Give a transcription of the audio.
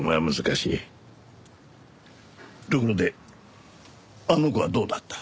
ところであの子はどうだった？